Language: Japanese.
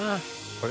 あれ？